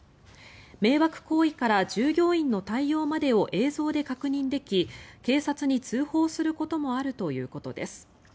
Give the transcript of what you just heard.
迷惑行為から従業員の対応までを映像で確認でき警察に通報することもあるということです。